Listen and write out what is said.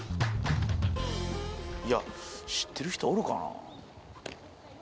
いや知ってる人おるかな？